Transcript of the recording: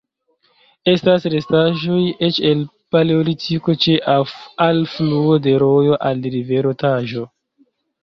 Estas restaĵoj eĉ el Paleolitiko, ĉe alfluo de rojo al rivero Taĵo.